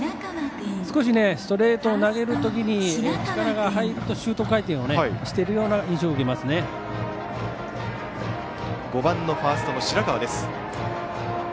少しストレートを投げるときに力が入るとシュート回転をしているような５番のファーストの白川です。